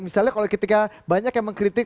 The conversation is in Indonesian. misalnya kalau ketika banyak yang mengkritik